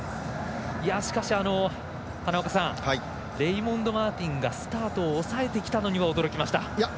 しかし、花岡さんレイモンド・マーティンがスタートを抑えてきたのには驚きました。